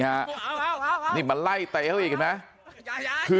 มันไล่เตะไว้